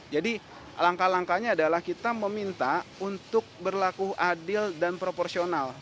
jadi langkah langkahnya adalah kita meminta untuk berlaku adil dan proporsional